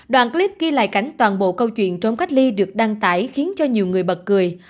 đoạn clip ghi lại cảnh toàn bộ câu chuyện trốn cách ly được đăng tải khiến cho nhiều người bật cười